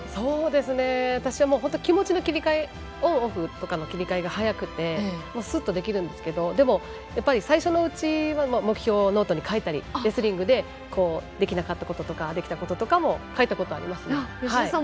私は本当に気持ちの切り替えオン、オフの切り替えが早くて、すっとできますが最初は目標をノートに書いたりレスリングでできなかったことやできたこととかを書いたことありますね。